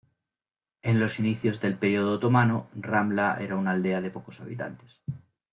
En los inicios del período otomano, Ramla era una aldea de pocos habitantes.